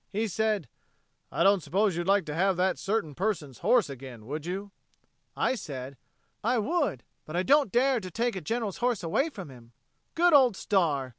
He said, 'I don't suppose you'd like to have that Certain Person's horse again, would you?' I said, 'I would, but I don't dare to take a General's horse away from him.' Good old Star!